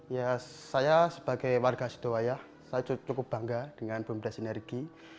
ya saya sebagai warga sidowayah saya cukup bangga dengan bumdes sinergi